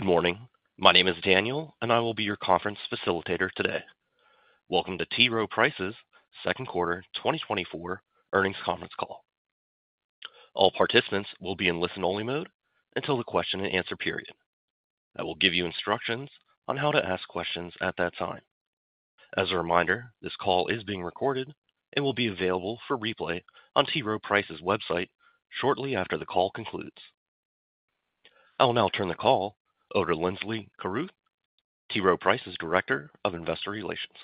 Good morning. My name is Daniel, and I will be your conference facilitator today. Welcome to T. Rowe Price's second quarter 2024 earnings conference call. All participants will be in listen-only mode until the question-and-answer period. I will give you instructions on how to ask questions at that time. As a reminder, this call is being recorded and will be available for replay on T. Rowe Price's website shortly after the call concludes. I will now turn the call over to Linsley Carruth, T. Rowe Price's Director of Investor Relations.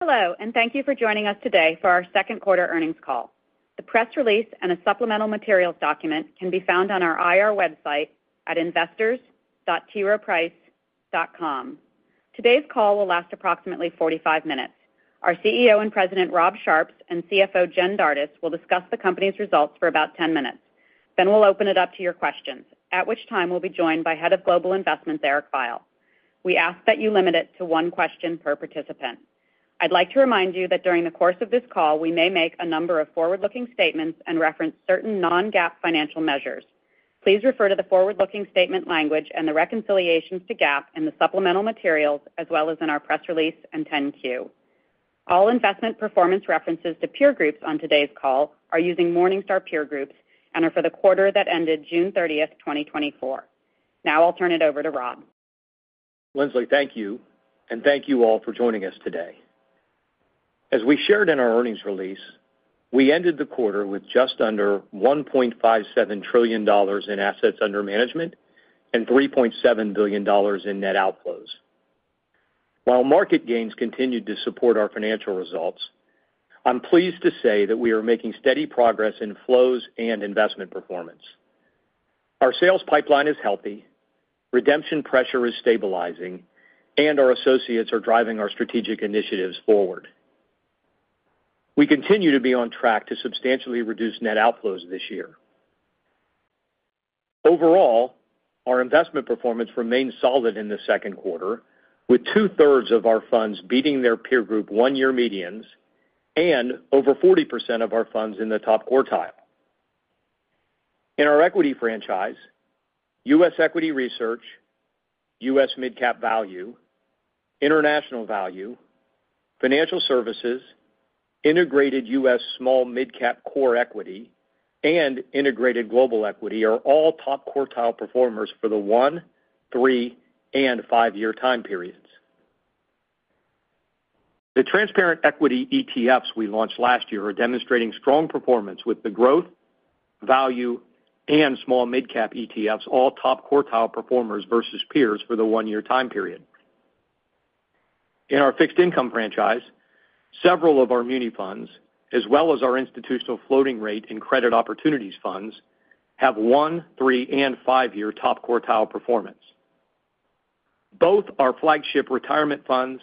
Hello, and thank you for joining us today for our second quarter earnings call. The press release and a supplemental materials document can be found on our IR website at investors.troweprice.com. Today's call will last approximately 45 minutes. Our CEO and President, Rob Sharps, and CFO, Jen Dardis, will discuss the company's results for about 10 minutes. Then we'll open it up to your questions, at which time we'll be joined by Head of Global Investments, Eric Veiel. We ask that you limit it to one question per participant. I'd like to remind you that during the course of this call, we may make a number of forward-looking statements and reference certain non-GAAP financial measures. Please refer to the forward-looking statement language and the reconciliations to GAAP in the supplemental materials, as well as in our press release and 10-Q. All investment performance references to peer groups on today's call are using Morningstar peer groups and are for the quarter that ended June 30th, 2024. Now I'll turn it over to Rob. Linsley, thank you, and thank you all for joining us today. As we shared in our earnings release, we ended the quarter with just under $1.57 trillion in assets under management and $3.7 billion in net outflows. While market gains continued to support our financial results, I'm pleased to say that we are making steady progress in flows and investment performance. Our sales pipeline is healthy, redemption pressure is stabilizing, and our associates are driving our strategic initiatives forward. We continue to be on track to substantially reduce net outflows this year. Overall, our investment performance remained solid in the second quarter, with two-thirds of our funds beating their peer group one-year medians and over 40% of our funds in the top quartile. In our equity franchise, U.S. Equity Research, U.S. Mid-Cap Value, International Value, Financial Services, Integrated U.S. Small-Mid Cap Core Equity, and Integrated Global Equity are all top quartile performers for the one, three, and five-year time periods. The transparent equity ETFs we launched last year are demonstrating strong performance with the Growth, Value, and Small-Mid Cap ETFs, all top quartile performers versus peers for the one-year time period. In our fixed income franchise, several of our muni funds, as well as our Institutional Floating Rate and Credit Opportunities funds, have one, three, and five-year top quartile performance. Both our flagship Retirement Funds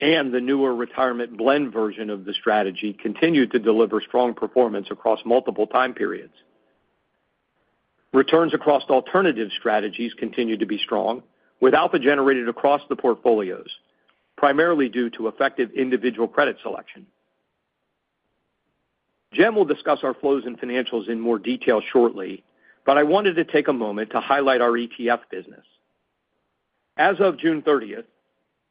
and the newer Retirement Blend version of the strategy continue to deliver strong performance across multiple time periods. Returns across alternative strategies continue to be strong, with alpha generated across the portfolios, primarily due to effective individual credit selection. Jen will discuss our flows and financials in more detail shortly, but I wanted to take a moment to highlight our ETF business. As of June 30th,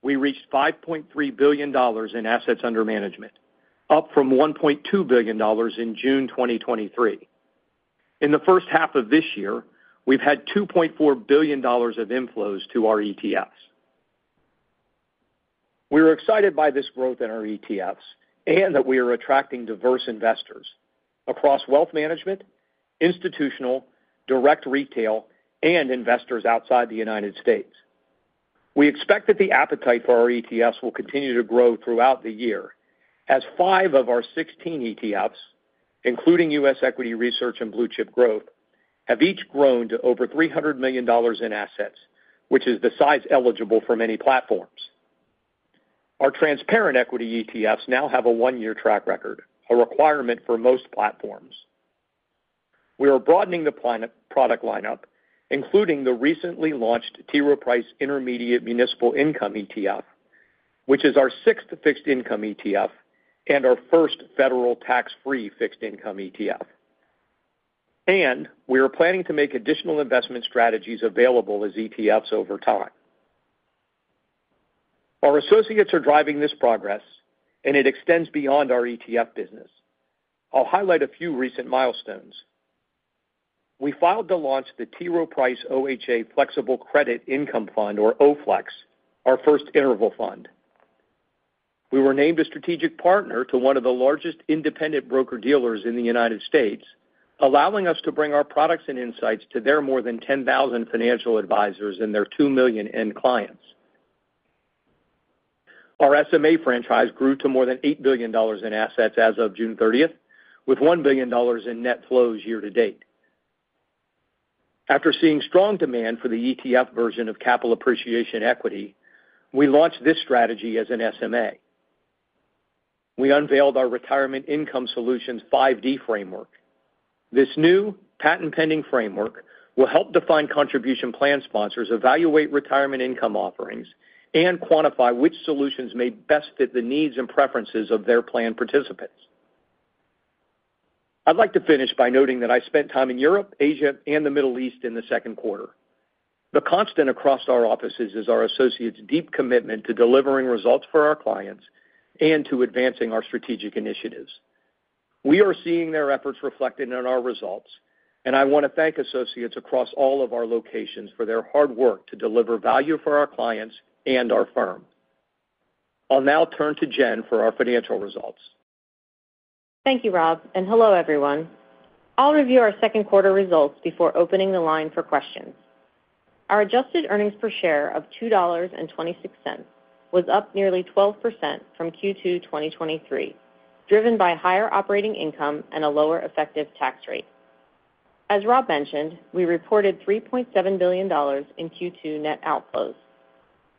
we reached $5.3 billion in assets under management, up from $1.2 billion in June 2023. In the first half of this year, we've had $2.4 billion of inflows to our ETFs. We are excited by this growth in our ETFs and that we are attracting diverse investors across wealth management, institutional, direct retail, and investors outside the United States. We expect that the appetite for our ETFs will continue to grow throughout the year, as five of our 16 ETFs, including U.S. Equity Research and Blue-Chip Growth, have each grown to over $300 million in assets, which is the size eligible for many platforms. Our transparent equity ETFs now have a one-year track record, a requirement for most platforms. We are broadening the product lineup, including the recently launched T. Rowe Price Intermediate Municipal Income ETF, which is our sixth fixed income ETF and our first federal tax-free fixed income ETF. We are planning to make additional investment strategies available as ETFs over time. Our associates are driving this progress, and it extends beyond our ETF business. I'll highlight a few recent milestones. We filed to launch the T. Rowe Price OHA Flexible Credit Income Fund, or OFLEX, our first interval fund. We were named a strategic partner to one of the largest independent broker-dealers in the United States, allowing us to bring our products and insights to their more than 10,000 financial advisors and their 2 million end clients. Our SMA franchise grew to more than $8 billion in assets as of June 30th, with $1 billion in net flows year-to-date. After seeing strong demand for the ETF version of Capital Appreciation Equity, we launched this strategy as an SMA. We unveiled our Retirement Income Solutions 5D Framework. This new patent-pending framework will help defined contribution plan sponsors evaluate retirement income offerings and quantify which solutions may best fit the needs and preferences of their plan participants. I'd like to finish by noting that I spent time in Europe, Asia, and the Middle East in the second quarter. The constant across our offices is our associates' deep commitment to delivering results for our clients and to advancing our strategic initiatives. We are seeing their efforts reflected in our results, and I want to thank associates across all of our locations for their hard work to deliver value for our clients and our firm. I'll now turn to Jen for our financial results. Thank you, Rob. Hello, everyone. I'll review our second quarter results before opening the line for questions. Our adjusted earnings per share of $2.26 was up nearly 12% from Q2 2023, driven by higher operating income and a lower effective tax rate. As Rob mentioned, we reported $3.7 billion in Q2 net outflows.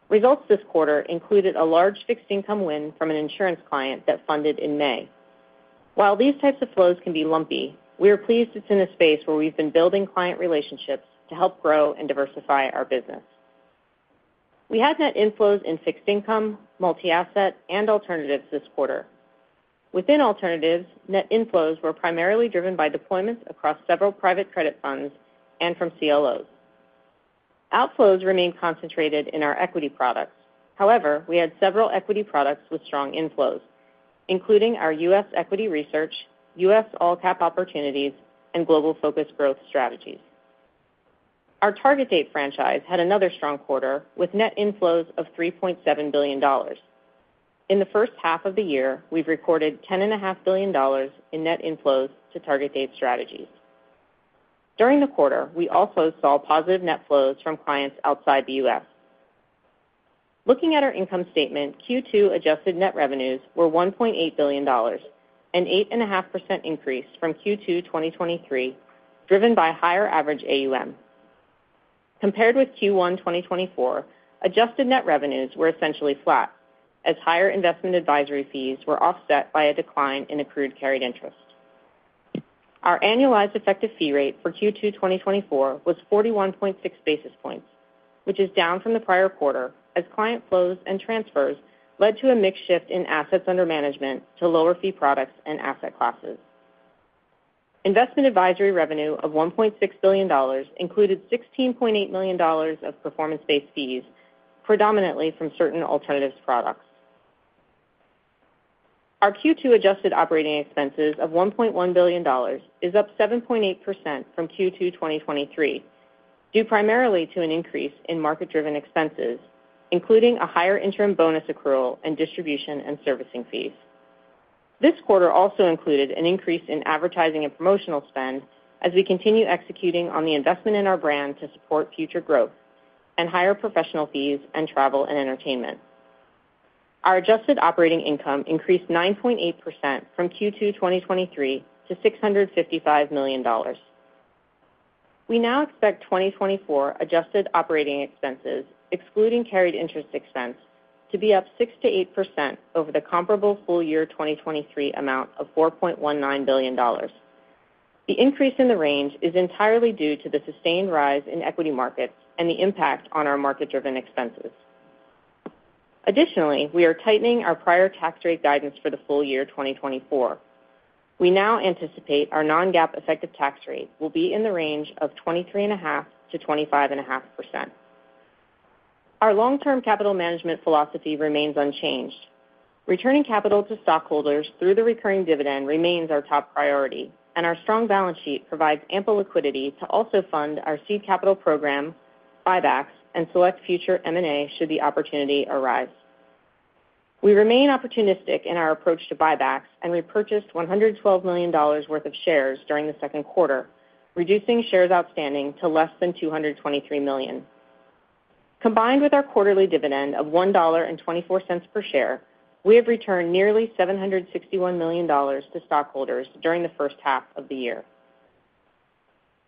Results this quarter included a large fixed income win from an insurance client that funded in May. While these types of flows can be lumpy, we are pleased to be in a space where we've been building client relationships to help grow and diversify our business. We had net inflows in fixed income, multi-asset, and alternatives this quarter. Within alternatives, net inflows were primarily driven by deployments across several private credit funds and from CLOs. Outflows remained concentrated in our equity products. However, we had several equity products with strong inflows, including our U.S. Equity Research, U.S. All-Cap Opportunities, and Global Focused Growth strategies. Our target date franchise had another strong quarter with net inflows of $3.7 billion. In the first half of the year, we've recorded $10.5 billion in net inflows to target date strategies. During the quarter, we also saw positive net flows from clients outside the U.S. Looking at our income statement, Q2 adjusted net revenues were $1.8 billion, an 8.5% increase from Q2 2023, driven by higher average AUM. Compared with Q1 2024, adjusted net revenues were essentially flat, as higher investment advisory fees were offset by a decline in accrued carried interest. Our annualized effective fee rate for Q2 2024 was 41.6 basis points, which is down from the prior quarter, as client flows and transfers led to a mixed shift in assets under management to lower fee products and asset classes. Investment advisory revenue of $1.6 billion included $16.8 million of performance-based fees, predominantly from certain alternatives products. Our Q2 adjusted operating expenses of $1.1 billion is up 7.8% from Q2 2023, due primarily to an increase in market-driven expenses, including a higher interim bonus accrual and distribution and servicing fees. This quarter also included an increase in advertising and promotional spend, as we continue executing on the investment in our brand to support future growth and higher professional fees and travel and entertainment. Our adjusted operating income increased 9.8% from Q2 2023 to $655 million. We now expect 2024 adjusted operating expenses, excluding carried interest expense, to be up 6%-8% over the comparable full year 2023 amount of $4.19 billion. The increase in the range is entirely due to the sustained rise in equity markets and the impact on our market-driven expenses. Additionally, we are tightening our prior tax rate guidance for the full year 2024. We now anticipate our non-GAAP effective tax rate will be in the range of 23.5%-25.5%. Our long-term capital management philosophy remains unchanged. Returning capital to stockholders through the recurring dividend remains our top priority, and our strong balance sheet provides ample liquidity to also fund our seed capital program, buybacks, and select future M&A should the opportunity arise. We remain opportunistic in our approach to buybacks and repurchased $112 million worth of shares during the second quarter, reducing shares outstanding to less than $223 million. Combined with our quarterly dividend of $1.24 per share, we have returned nearly $761 million to stockholders during the first half of the year.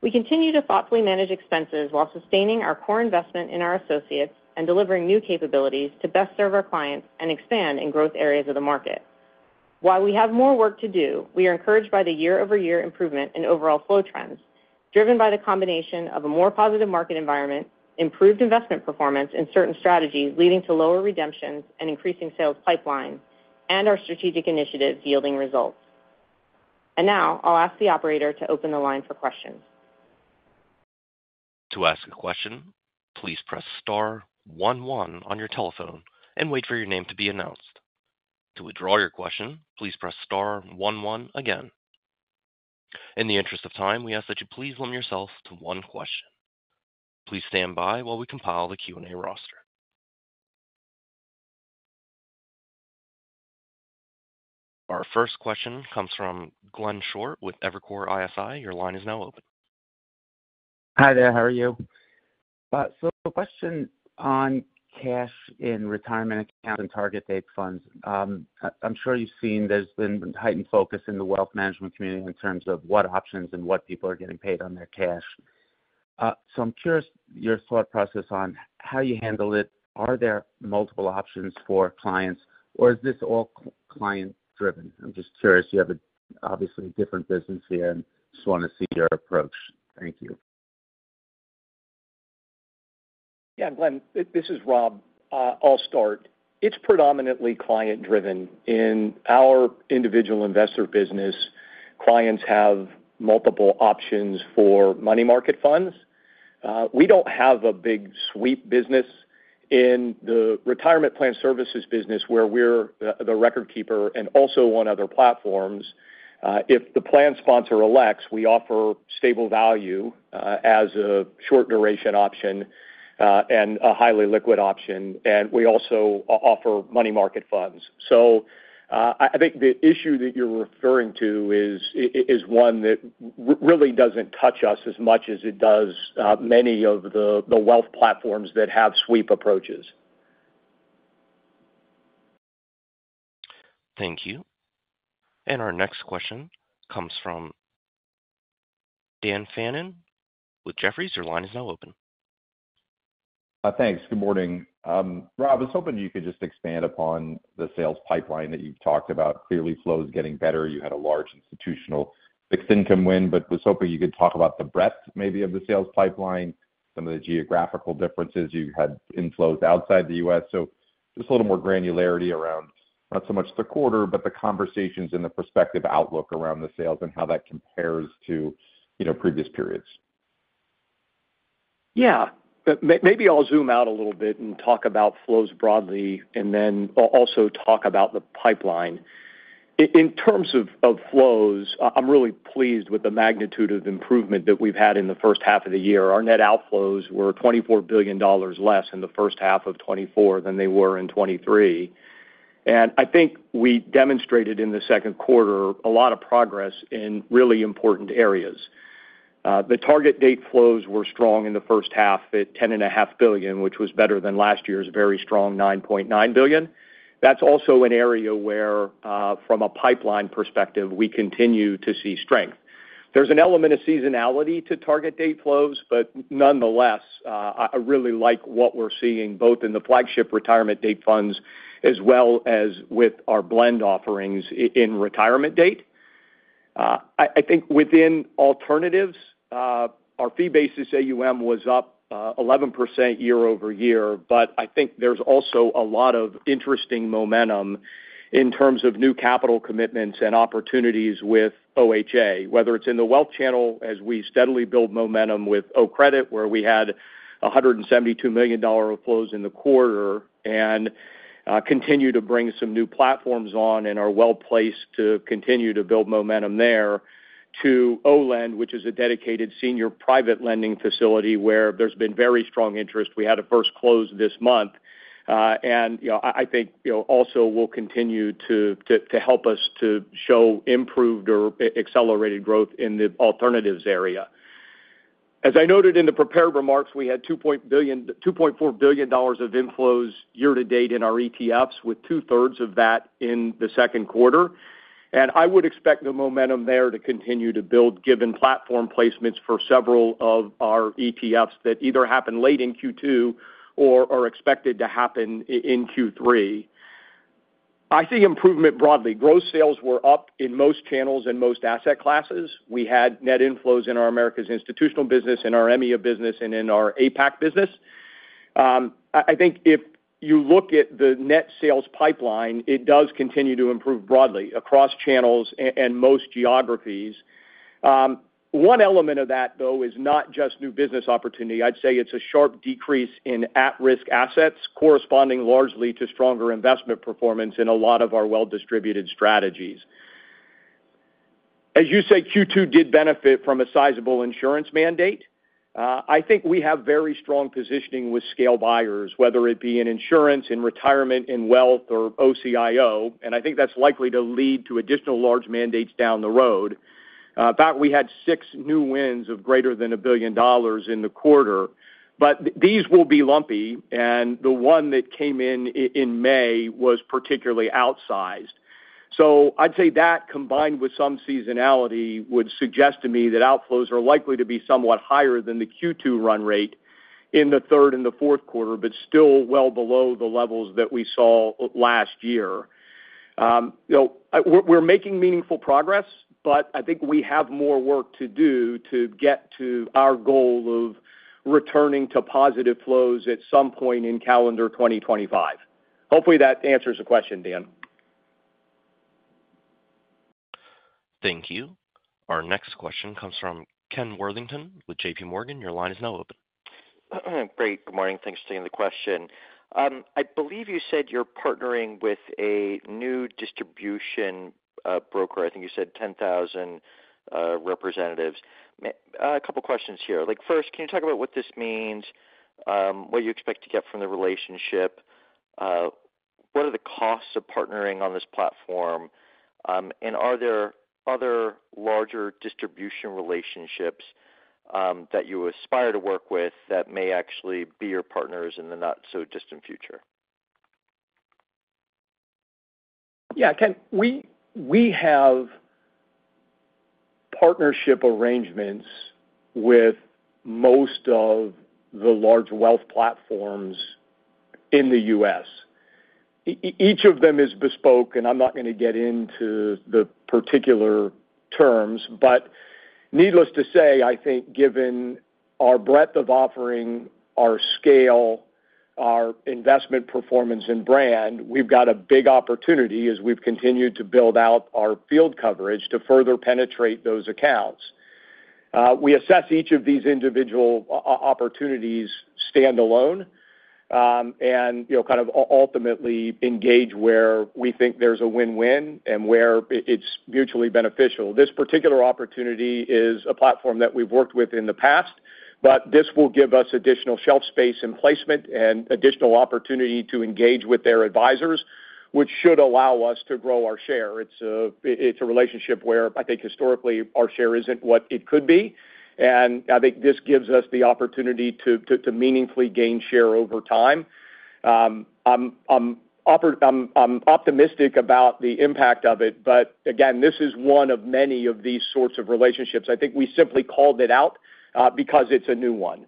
We continue to thoughtfully manage expenses while sustaining our core investment in our associates and delivering new capabilities to best serve our clients and expand in growth areas of the market. While we have more work to do, we are encouraged by the year-over-year improvement in overall flow trends, driven by the combination of a more positive market environment, improved investment performance in certain strategies leading to lower redemptions and increasing sales pipelines, and our strategic initiatives yielding results. And now I'll ask the operator to open the line for questions. To ask a question, please press star one one on your telephone and wait for your name to be announced. To withdraw your question, please press star one one again. In the interest of time, we ask that you please limit yourself to one question. Please stand by while we compile the Q&A roster. Our first question comes from Glenn Schorr with Evercore ISI. Your line is now open. Hi there. How are you? So the question on cash in retirement accounts and target date funds, I'm sure you've seen there's been heightened focus in the wealth management community in terms of what options and what people are getting paid on their cash. So I'm curious your thought process on how you handle it. Are there multiple options for clients, or is this all client-driven? I'm just curious. You have obviously a different business here and just want to see your approach. Thank you. Yeah, Glenn, this is Rob. I'll start. It's predominantly client-driven. In our individual investor business, clients have multiple options for money market funds. We don't have a big sweep business in the retirement plan services business where we're the record keeper and also on other platforms. If the plan sponsor elects, we offer stable value as a short-duration option and a highly liquid option. And we also offer money market funds. So I think the issue that you're referring to is one that really doesn't touch us as much as it does many of the wealth platforms that have sweep approaches. Thank you. Our next question comes from Dan Fannon with Jefferies. Your line is now open. Thanks. Good morning. Rob, I was hoping you could just expand upon the sales pipeline that you've talked about. Clearly, flows are getting better. You had a large institutional fixed income win, but I was hoping you could talk about the breadth maybe of the sales pipeline, some of the geographical differences. You had inflows outside the U.S. Just a little more granularity around not so much the quarter, but the conversations and the prospective outlook around the sales and how that compares to previous periods? Yeah. Maybe I'll zoom out a little bit and talk about flows broadly and then also talk about the pipeline. In terms of flows, I'm really pleased with the magnitude of improvement that we've had in the first half of the year. Our net outflows were $24 billion less in the first half of 2024 than they were in 2023. I think we demonstrated in the second quarter a lot of progress in really important areas. The target date flows were strong in the first half at $10.5 billion, which was better than last year's very strong $9.9 billion. That's also an area where, from a pipeline perspective, we continue to see strength. There's an element of seasonality to target date flows, but nonetheless, I really like what we're seeing both in the flagship retirement date funds as well as with our blend offerings in retirement date. I think within alternatives, our fee-basis AUM was up 11% year-over-year, but I think there's also a lot of interesting momentum in terms of new capital commitments and opportunities with OHA, whether it's in the wealth channel as we steadily build momentum with OCREDIT, where we had $172 million of flows in the quarter and continue to bring some new platforms on and are well placed to continue to build momentum there, to OLEND, which is a dedicated senior private lending facility where there's been very strong interest. We had a first close this month. I think also will continue to help us to show improved or accelerated growth in the alternatives area. As I noted in the prepared remarks, we had $2.4 billion of inflows year-to-date in our ETFs, with two-thirds of that in the second quarter. I would expect the momentum there to continue to build given platform placements for several of our ETFs that either happen late in Q2 or are expected to happen in Q3. I see improvement broadly. Gross sales were up in most channels and most asset classes. We had net inflows in our Americas institutional business, in our EMEA business, and in our APAC business. I think if you look at the net sales pipeline, it does continue to improve broadly across channels and most geographies. One element of that, though, is not just new business opportunity. I'd say it's a sharp decrease in at-risk assets corresponding largely to stronger investment performance in a lot of our well-distributed strategies. As you say, Q2 did benefit from a sizable insurance mandate. I think we have very strong positioning with scale buyers, whether it be in insurance, in retirement, in wealth, or OCIO. And I think that's likely to lead to additional large mandates down the road. In fact, we had six new wins of greater than $1 billion in the quarter, but these will be lumpy, and the one that came in in May was particularly outsized. So I'd say that combined with some seasonality would suggest to me that outflows are likely to be somewhat higher than the Q2 run rate in the third and the fourth quarter, but still well below the levels that we saw last year. We're making meaningful progress, but I think we have more work to do to get to our goal of returning to positive flows at some point in calendar 2025. Hopefully, that answers the question, Dan. Thank you. Our next question comes from Ken Worthington with JPMorgan. Your line is now open. Great. Good morning. Thanks for taking the question. I believe you said you're partnering with a new distribution broker. I think you said 10,000 representatives. A couple of questions here. First, can you talk about what this means, what you expect to get from the relationship, what are the costs of partnering on this platform, and are there other larger distribution relationships that you aspire to work with that may actually be your partners in the not-so-distant future? Yeah. We have partnership arrangements with most of the large wealth platforms in the U.S. Each of them is bespoke, and I'm not going to get into the particular terms, but needless to say, I think given our breadth of offering, our scale, our investment performance and brand, we've got a big opportunity as we've continued to build out our field coverage to further penetrate those accounts. We assess each of these individual opportunities standalone and kind of ultimately engage where we think there's a win-win and where it's mutually beneficial. This particular opportunity is a platform that we've worked with in the past, but this will give us additional shelf space and placement and additional opportunity to engage with their advisors, which should allow us to grow our share. It's a relationship where I think historically our share isn't what it could be. I think this gives us the opportunity to meaningfully gain share over time. I'm optimistic about the impact of it, but again, this is one of many of these sorts of relationships. I think we simply called it out because it's a new one.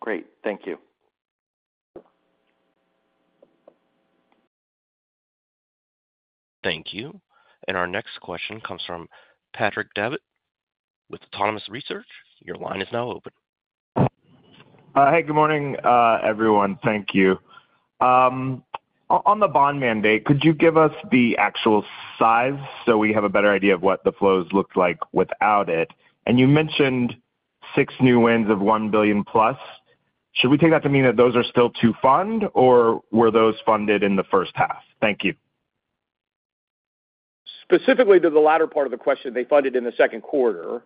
Great. Thank you. Thank you. Our next question comes from Patrick Davitt with Autonomous Research. Your line is now open. Hey, good morning, everyone. Thank you. On the bond mandate, could you give us the actual size so we have a better idea of what the flows looked like without it? And you mentioned six new wins of $1 billion+. Should we take that to mean that those are still to fund, or were those funded in the first half? Thank you. Specifically to the latter part of the question, they funded in the second quarter.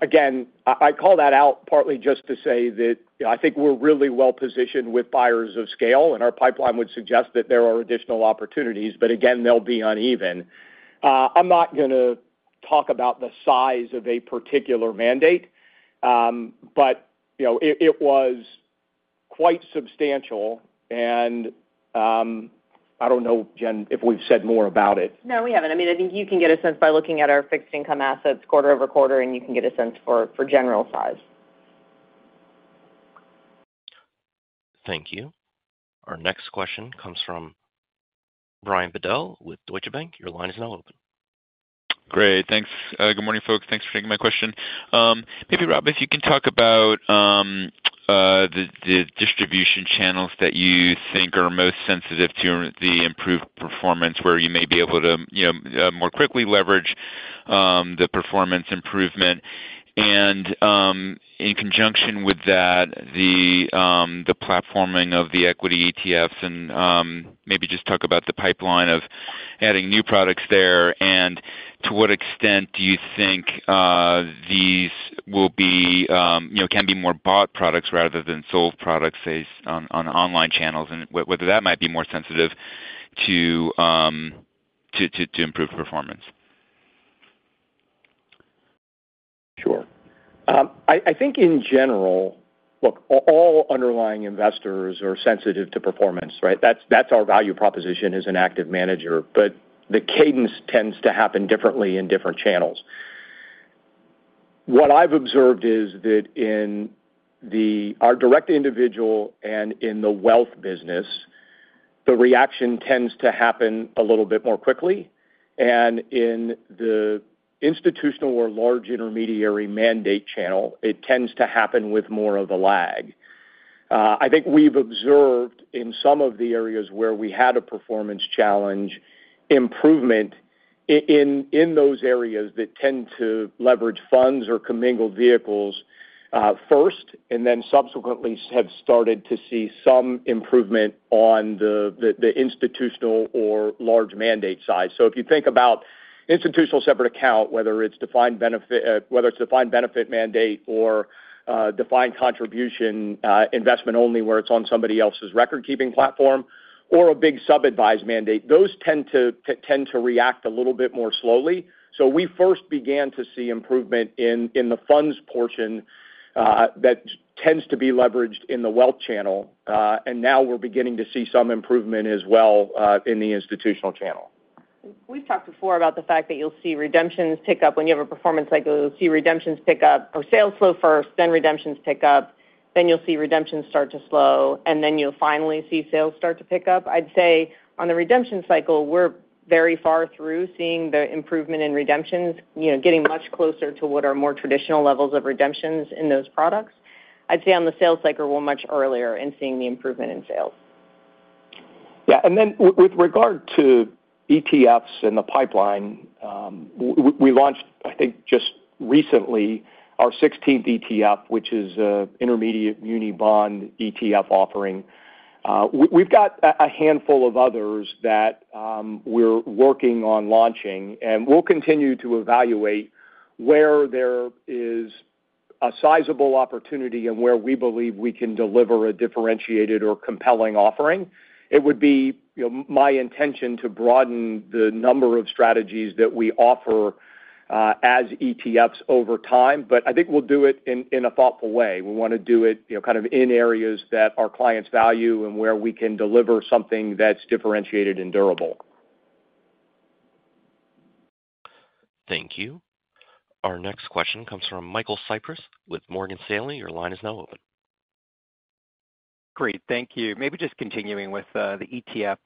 Again, I call that out partly just to say that I think we're really well positioned with buyers of scale, and our pipeline would suggest that there are additional opportunities, but again, they'll be uneven. I'm not going to talk about the size of a particular mandate, but it was quite substantial. And I don't know, Jen, if we've said more about it. No, we haven't. I mean, I think you can get a sense by looking at our fixed income assets quarter-over-quarter, and you can get a sense for general size. Thank you. Our next question comes from Brian Bedell with Deutsche Bank. Your line is now open. Great. Thanks. Good morning, folks. Thanks for taking my question. Maybe, Rob, if you can talk about the distribution channels that you think are most sensitive to the improved performance where you may be able to more quickly leverage the performance improvement. And in conjunction with that, the platforming of the equity ETFs and maybe just talk about the pipeline of adding new products there. And to what extent do you think these will be can be more bought products rather than sold products on online channels and whether that might be more sensitive to improved performance? Sure. I think in general, look, all underlying investors are sensitive to performance, right? That's our value proposition as an active manager, but the cadence tends to happen differently in different channels. What I've observed is that in our direct individual and in the wealth business, the reaction tends to happen a little bit more quickly. In the institutional or large intermediary mandate channel, it tends to happen with more of a lag. I think we've observed in some of the areas where we had a performance challenge improvement in those areas that tend to leverage funds or commingled vehicles first and then subsequently have started to see some improvement on the institutional or large mandate side. So if you think about institutional separate account, whether it's defined benefit mandate or defined contribution investment only where it's on somebody else's record-keeping platform or a big sub-advised mandate, those tend to react a little bit more slowly. So we first began to see improvement in the funds portion that tends to be leveraged in the wealth channel. And now we're beginning to see some improvement as well in the institutional channel. We've talked before about the fact that you'll see redemptions pick up when you have a performance cycle. You'll see redemptions pick up or sales slow first, then redemptions pick up, then you'll see redemptions start to slow, and then you'll finally see sales start to pick up. I'd say on the redemption cycle, we're very far through seeing the improvement in redemptions getting much closer to what are more traditional levels of redemptions in those products. I'd say on the sales cycle, we're much earlier in seeing the improvement in sales. Yeah. And then with regard to ETFs and the pipeline, we launched, I think, just recently our 16th ETF, which is an intermediate muni bond ETF offering. We've got a handful of others that we're working on launching, and we'll continue to evaluate where there is a sizable opportunity and where we believe we can deliver a differentiated or compelling offering. It would be my intention to broaden the number of strategies that we offer as ETFs over time, but I think we'll do it in a thoughtful way. We want to do it kind of in areas that our clients value and where we can deliver something that's differentiated and durable. Thank you. Our next question comes from Michael Cyprys with Morgan Stanley. Your line is now open. Great. Thank you. Maybe just continuing with the ETF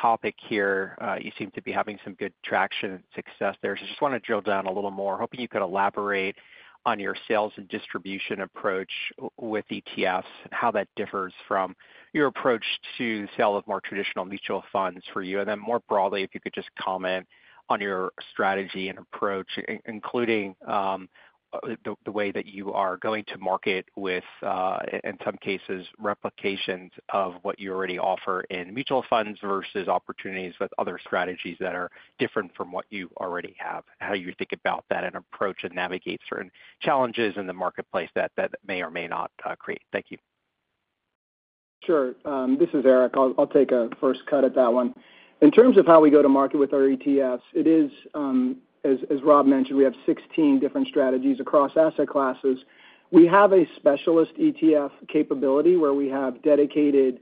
topic here. You seem to be having some good traction and success there. So I just want to drill down a little more. Hoping you could elaborate on your sales and distribution approach with ETFs and how that differs from your approach to sale of more traditional mutual funds for you. And then more broadly, if you could just comment on your strategy and approach, including the way that you are going to market with, in some cases, replications of what you already offer in mutual funds versus opportunities with other strategies that are different from what you already have. How you think about that and approach and navigate certain challenges in the marketplace that may or may not create. Thank you. Sure. This is Eric. I'll take a first cut at that one. In terms of how we go to market with our ETFs, it is, as Rob mentioned, we have 16 different strategies across asset classes. We have a specialist ETF capability where we have dedicated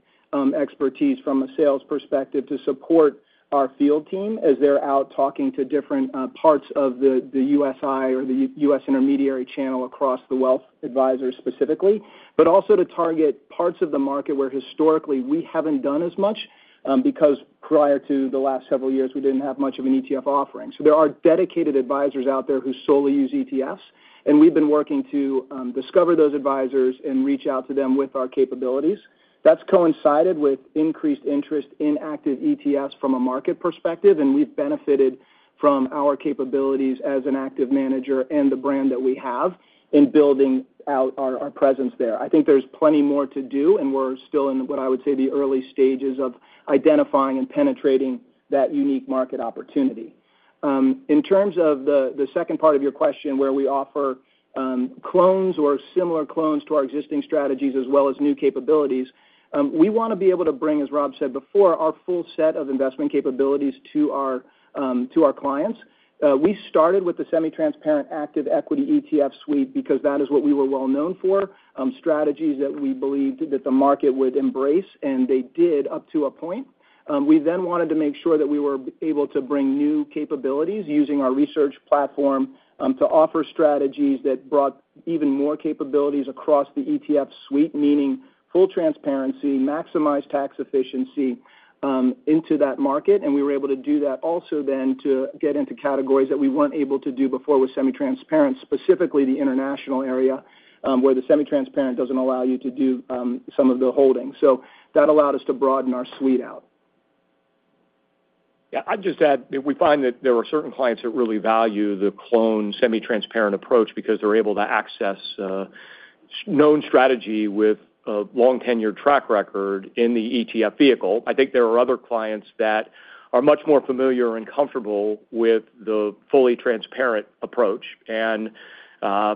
expertise from a sales perspective to support our field team as they're out talking to different parts of the USI or the US intermediary channel across the wealth advisors specifically, but also to target parts of the market where historically we haven't done as much because prior to the last several years, we didn't have much of an ETF offering. So there are dedicated advisors out there who solely use ETFs, and we've been working to discover those advisors and reach out to them with our capabilities. That's coincided with increased interest in active ETFs from a market perspective, and we've benefited from our capabilities as an active manager and the brand that we have in building out our presence there. I think there's plenty more to do, and we're still in what I would say the early stages of identifying and penetrating that unique market opportunity. In terms of the second part of your question where we offer clones or similar clones to our existing strategies as well as new capabilities, we want to be able to bring, as Rob said before, our full set of investment capabilities to our clients. We started with the semi-transparent active equity ETF suite because that is what we were well known for, strategies that we believed that the market would embrace, and they did up to a point. We then wanted to make sure that we were able to bring new capabilities using our research platform to offer strategies that brought even more capabilities across the ETF suite, meaning full transparency, maximized tax efficiency into that market. We were able to do that also then to get into categories that we weren't able to do before with semi-transparent, specifically the international area where the semi-transparent doesn't allow you to do some of the holding. That allowed us to broaden our suite out. Yeah. I'd just add that we find that there are certain clients that really value the cloned semi-transparent approach because they're able to access known strategy with a long tenured track record in the ETF vehicle. I think there are other clients that are much more familiar and comfortable with the fully transparent approach. And I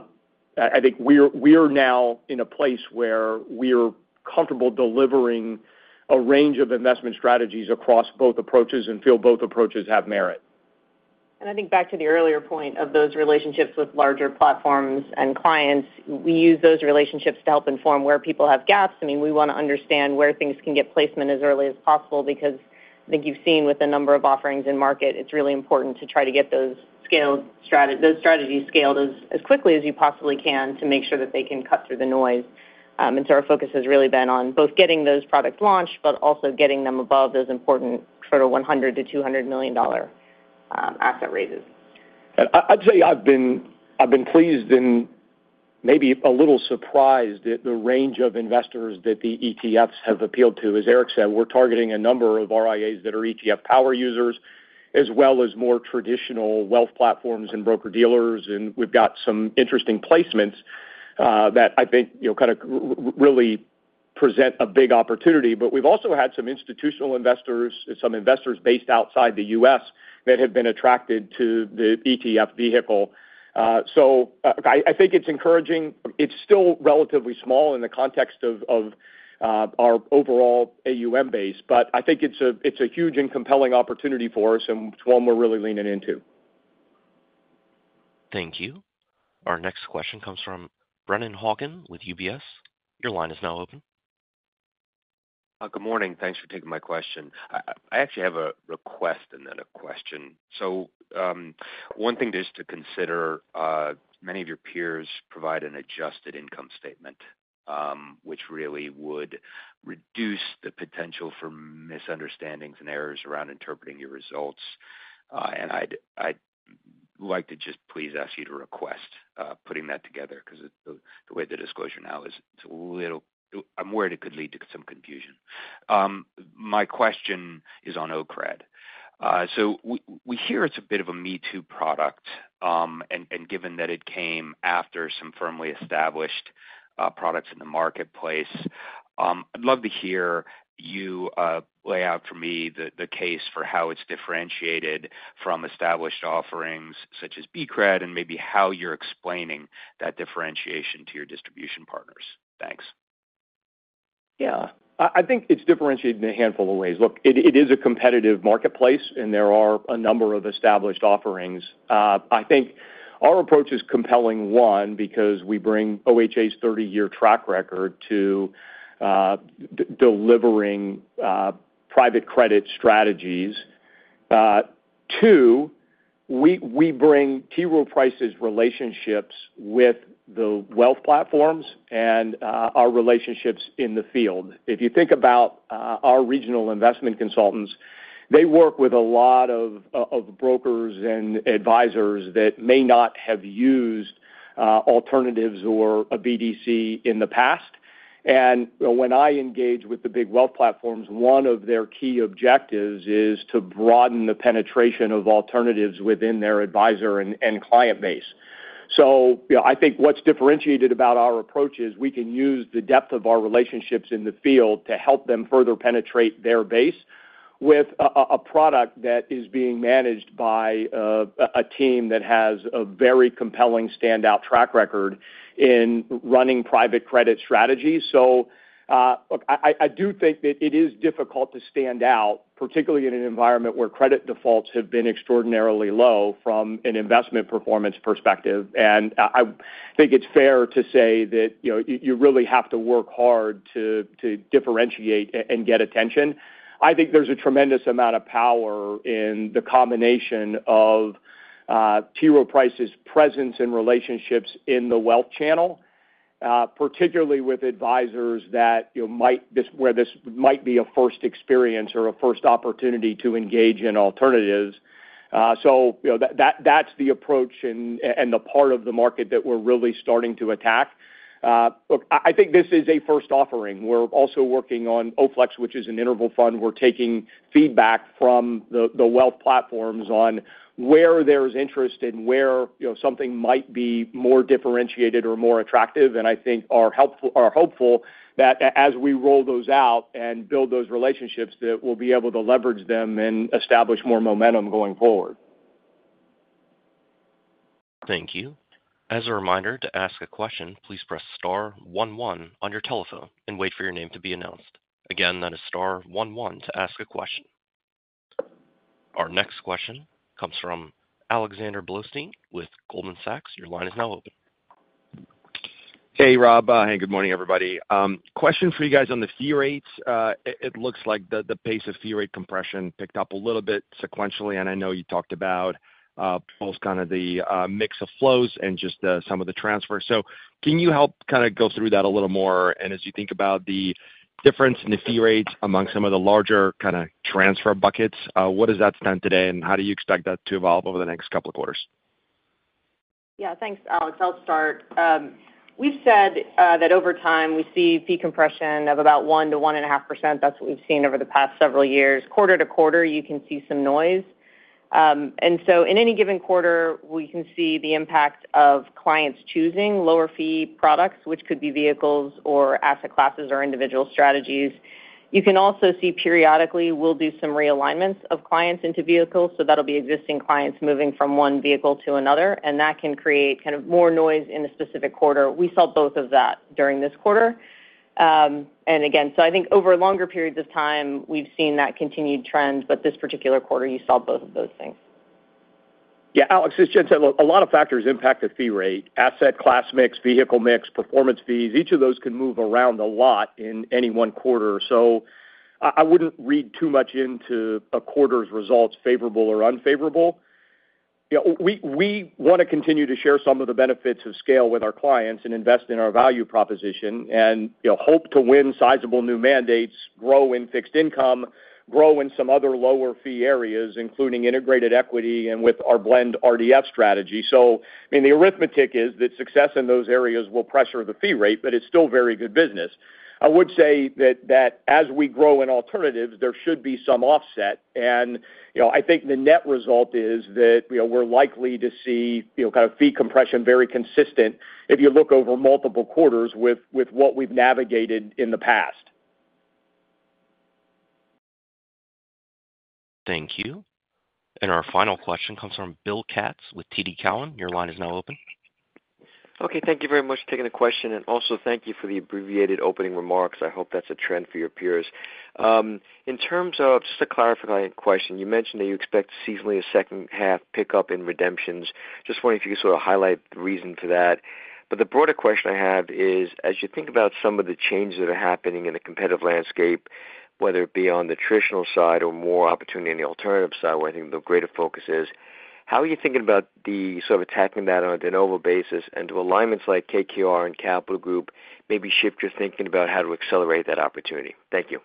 think we are now in a place where we are comfortable delivering a range of investment strategies across both approaches and feel both approaches have merit. I think back to the earlier point of those relationships with larger platforms and clients, we use those relationships to help inform where people have gaps. I mean, we want to understand where things can get placement as early as possible because I think you've seen with a number of offerings in market, it's really important to try to get those strategies scaled as quickly as you possibly can to make sure that they can cut through the noise. So our focus has really been on both getting those products launched, but also getting them above those important sort of $100 million-$200 million asset raises. I'd say I've been pleased and maybe a little surprised at the range of investors that the ETFs have appealed to. As Eric said, we're targeting a number of RIAs that are ETF power users as well as more traditional wealth platforms and broker-dealers. We've got some interesting placements that I think kind of really present a big opportunity. But we've also had some institutional investors and some investors based outside the U.S. that have been attracted to the ETF vehicle. So I think it's encouraging. It's still relatively small in the context of our overall AUM base, but I think it's a huge and compelling opportunity for us and one we're really leaning into. Thank you. Our next question comes from Brennan Hawken with UBS. Your line is now open. Good morning. Thanks for taking my question. I actually have a request and then a question. So one thing just to consider, many of your peers provide an adjusted income statement, which really would reduce the potential for misunderstandings and errors around interpreting your results. And I'd like to just please ask you to request putting that together because the way the disclosure now is, I'm worried it could lead to some confusion. My question is on OCRED. So we hear it's a bit of a me-too product, and given that it came after some firmly established products in the marketplace, I'd love to hear you lay out for me the case for how it's differentiated from established offerings such as BCRED and maybe how you're explaining that differentiation to your distribution partners. Thanks. Yeah. I think it's differentiated in a handful of ways. Look, it is a competitive marketplace, and there are a number of established offerings. I think our approach is compelling, one, because we bring OHA's 30-year track record to delivering private credit strategies. Two, we bring T. Rowe Price's relationships with the wealth platforms and our relationships in the field. If you think about our regional investment consultants, they work with a lot of brokers and advisors that may not have used alternatives or a BDC in the past. And when I engage with the big wealth platforms, one of their key objectives is to broaden the penetration of alternatives within their advisor and client base. I think what's differentiated about our approach is we can use the depth of our relationships in the field to help them further penetrate their base with a product that is being managed by a team that has a very compelling standout track record in running private credit strategies. I do think that it is difficult to stand out, particularly in an environment where credit defaults have been extraordinarily low from an investment performance perspective. I think it's fair to say that you really have to work hard to differentiate and get attention. I think there's a tremendous amount of power in the combination of T. Rowe Price's presence and relationships in the wealth channel, particularly with advisors where this might be a first experience or a first opportunity to engage in alternatives. So that's the approach and the part of the market that we're really starting to attack. Look, I think this is a first offering. We're also working on OFLEX, which is an interval fund. We're taking feedback from the wealth platforms on where there is interest and where something might be more differentiated or more attractive. And I think our hopeful that as we roll those out and build those relationships, that we'll be able to leverage them and establish more momentum going forward. Thank you. As a reminder to ask a question, please press star one one on your telephone and wait for your name to be announced. Again, that is star one one to ask a question. Our next question comes from Alexander Blostein with Goldman Sachs. Your line is now open. Hey, Rob. Hey, good morning, everybody. Question for you guys on the fee rates. It looks like the pace of fee rate compression picked up a little bit sequentially, and I know you talked about both kind of the mix of flows and just some of the transfers. So can you help kind of go through that a little more? And as you think about the difference in the fee rates among some of the larger kind of transfer buckets, what does that stand today, and how do you expect that to evolve over the next couple of quarters? Yeah. Thanks, Alex. I'll start. We've said that over time, we see fee compression of about 1%-1.5%. That's what we've seen over the past several years. Quarter-to-quarter, you can see some noise. And so in any given quarter, we can see the impact of clients choosing lower fee products, which could be vehicles or asset classes or individual strategies. You can also see periodically, we'll do some realignments of clients into vehicles. So that'll be existing clients moving from one vehicle to another, and that can create kind of more noise in a specific quarter. We saw both of that during this quarter. And again, so I think over longer periods of time, we've seen that continued trend, but this particular quarter, you saw both of those things. Yeah. Alex, as Jen said, a lot of factors impact the fee rate: asset class mix, vehicle mix, performance fees. Each of those can move around a lot in any one quarter. So I wouldn't read too much into a quarter's results, favorable or unfavorable. We want to continue to share some of the benefits of scale with our clients and invest in our value proposition and hope to win sizable new mandates, grow in fixed income, grow in some other lower fee areas, including integrated equity and with our blend RDF strategy. So I mean, the arithmetic is that success in those areas will pressure the fee rate, but it's still very good business. I would say that as we grow in alternatives, there should be some offset. I think the net result is that we're likely to see kind of fee compression very consistent if you look over multiple quarters with what we've navigated in the past. Thank you. And our final question comes from Bill Katz with TD Cowen. Your line is now open. Okay. Thank you very much for taking the question. And also, thank you for the abbreviated opening remarks. I hope that's a trend for your peers. In terms of just a clarifying question, you mentioned that you expect seasonally a second-half pickup in redemptions. Just wondering if you could sort of highlight the reason for that. But the broader question I have is, as you think about some of the changes that are happening in a competitive landscape, whether it be on the traditional side or more opportunity in the alternative side, where I think the greater focus is, how are you thinking about the sort of attacking that on a de novo basis and do alignments like KKR and Capital Group maybe shift your thinking about how to accelerate that opportunity? Thank you.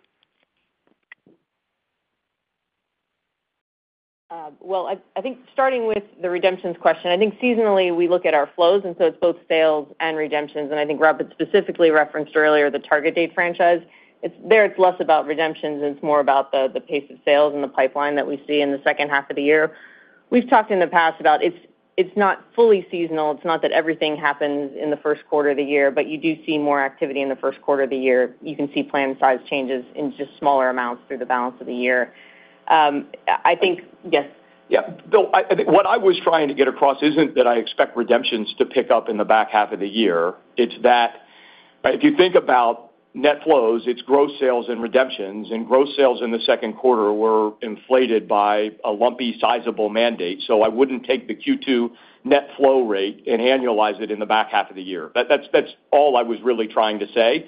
Well, I think starting with the redemptions question, I think seasonally we look at our flows, and so it's both sales and redemptions. And I think Rob had specifically referenced earlier the target date franchise. There, it's less about redemptions, and it's more about the pace of sales and the pipeline that we see in the second half of the year. We've talked in the past about it's not fully seasonal. It's not that everything happens in the first quarter of the year, but you do see more activity in the first quarter of the year. You can see planned size changes in just smaller amounts through the balance of the year. I think, yes. Yeah. What I was trying to get across isn't that I expect redemptions to pick up in the back half of the year. It's that if you think about net flows, it's gross sales and redemptions, and gross sales in the second quarter were inflated by a lumpy sizable mandate. So I wouldn't take the Q2 net flow rate and annualize it in the back half of the year. That's all I was really trying to say.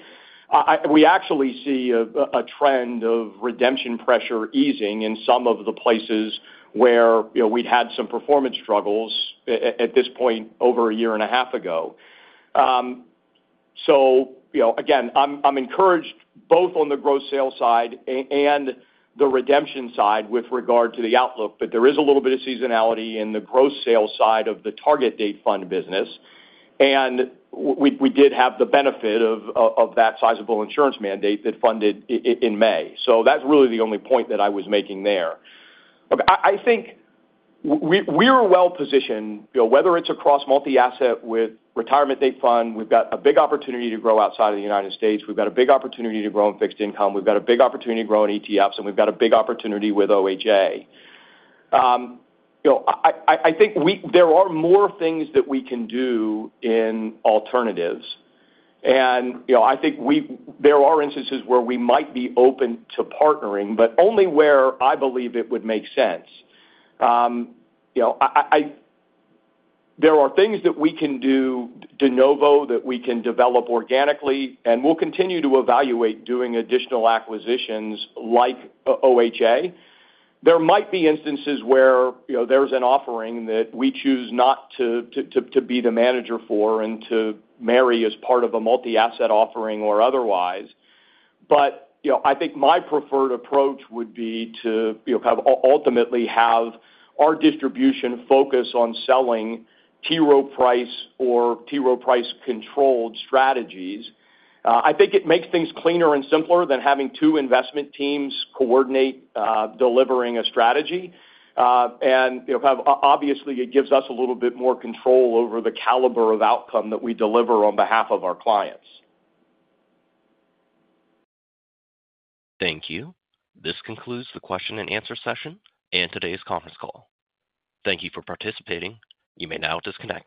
We actually see a trend of redemption pressure easing in some of the places where we'd had some performance struggles at this point over a year and a half ago. So again, I'm encouraged both on the gross sale side and the redemption side with regard to the outlook, but there is a little bit of seasonality in the gross sale side of the target date fund business. We did have the benefit of that sizable insurance mandate that funded in May. So that's really the only point that I was making there. I think we are well positioned, whether it's across multi-asset with target date fund. We've got a big opportunity to grow outside of the United States. We've got a big opportunity to grow in fixed income. We've got a big opportunity to grow in ETFs, and we've got a big opportunity with OHA. I think there are more things that we can do in alternatives. I think there are instances where we might be open to partnering, but only where I believe it would make sense. There are things that we can do de novo that we can develop organically, and we'll continue to evaluate doing additional acquisitions like OHA. There might be instances where there's an offering that we choose not to be the manager for and to marry as part of a multi-asset offering or otherwise. But I think my preferred approach would be to kind of ultimately have our distribution focus on selling T. Rowe Price or T. Rowe Price-controlled strategies. I think it makes things cleaner and simpler than having two investment teams coordinate delivering a strategy. And obviously, it gives us a little bit more control over the caliber of outcome that we deliver on behalf of our clients. Thank you. This concludes the question and answer session and today's conference call. Thank you for participating. You may now disconnect.